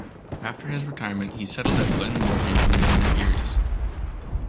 After his retirement he settled at Glen Morgan in the Nilgiris.